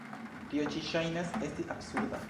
Tio ĉi ŝajnas esti absurda.